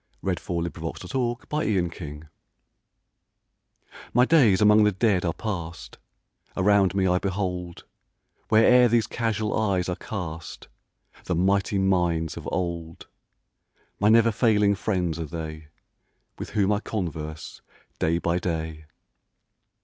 Stanzas Written in His Library 1V/TY days among the Dead are past; *•• Around me I behold, Where'er these casual eyes are cast, The mighty minds of old; My never failing friends are they, With whom I converse day by day.